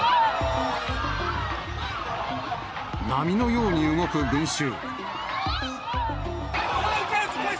波のように動く群衆。